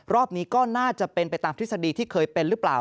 รอบนี้ก็น่าจะเป็นไปตามทฤษฎีที่เคยเป็นหรือเปล่า